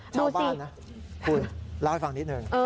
ชาวบ้านนะคุณเล่าให้ฟังนิดหนึ่ง